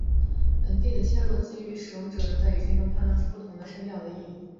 本地的切罗基语使用者能够在语境中判断出不同的声调别义的词。